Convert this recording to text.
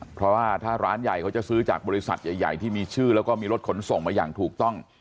เพราะว่าถ้าร้านใหญ่เขาจะซื้อจากบริษัทใหญ่ที่มีชื่อแล้วก็มีรถขนส่งมาอย่างถูกต้อง